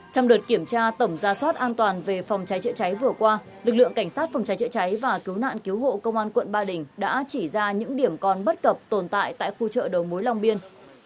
trong đợt kiểm tra tổng gia soát an toàn về phòng cháy chữa cháy vừa qua lực lượng cảnh sát phòng cháy chữa cháy và cứu nạn cứu hộ công an quận ba đình đã chỉ ra những điểm còn bất cập tồn tại tại khu chợ đầu mối long biên